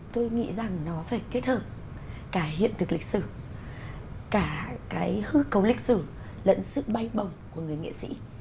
tôi nghĩ rằng nó phải kết hợp cả hiện thực lịch sử cả cái hư cấu lịch sử lẫn sự bay bồng của người nghệ sĩ